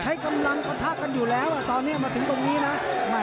ใช้กำลังปะทะกันอยู่แล้วตอนนี้มาถึงตรงนี้นะ